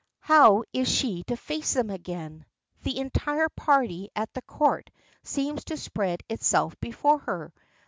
How is she to face them again? The entire party at the Court seems to spread itself before her.